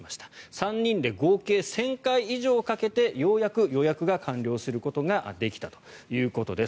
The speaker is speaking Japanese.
３人で合計１０００回以上かけてようやく予約が完了することができたということです。